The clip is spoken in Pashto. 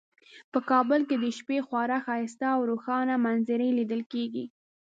په کابل کې د شپې خورا ښایسته او روښانه منظرې لیدل کیږي